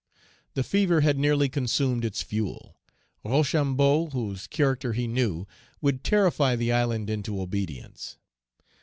The fever had nearly consumed its fuel; Rochambeau, whose character he knew, would terrify the island into obedience.